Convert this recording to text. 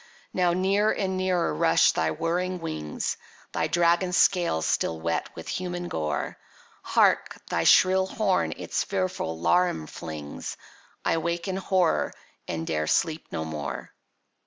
Now near and nearer rush thy whirring wings, Thy dragon scales still wet with human gore. Hark, thy shrill horn its fearful laram flings! —I wake in horror, and 'dare sleep no more!